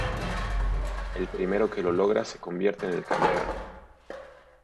El primero que lo logra se convierte en el campeón.